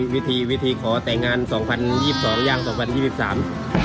วิธีวิธีขอแต่งงานสองพันยี่สิบสองย่างสองพันยี่สิบสาม